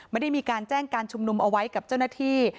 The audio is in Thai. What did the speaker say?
ไม่ได้มีการแจ้งการชุมนุมเอาไว้กับเจ้าหน้าที่